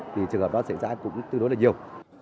trường hợp đó xảy ra cũng tư đối là nhiều